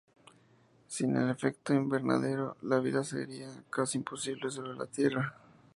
Sin el efecto invernadero, la vida sería casi imposible sobre la tierra.